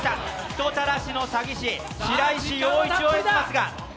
人たらしの詐欺師、白石陽一を演じますが。